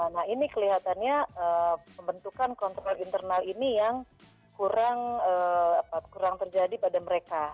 nah ini kelihatannya pembentukan kontrol internal ini yang kurang terjadi pada mereka